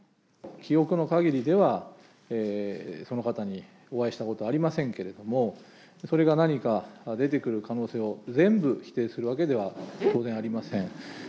記憶のかぎりでは、その方にお会いしたことはありませんけれども、それが何か出てくる可能性を全部否定するわけでは、当然ありません。